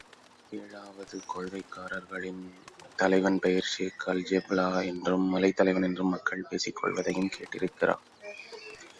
ஏழாவது கொள்கைக் காரர்களின் தலைவன் பெயர் ஷேக் அல்ஜெபலா என்றும், மலைத்தலைவன் என்றும் மக்கள் பேசிக் கொள்வதையும் கேட்டிருக்கிறான்.